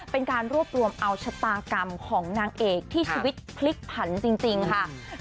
เป็นการรวบรวมเอาชะตากรรมของนางเอกที่ชีวิตพลิกผันจริงค่ะ